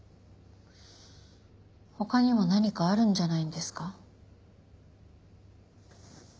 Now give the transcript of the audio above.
他にも何かあるんじゃないんですか？